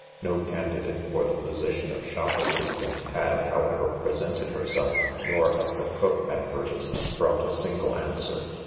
No candidate for the position of shop assistant had, however, presented herself. Nor had the cook advertisement brought a single answer.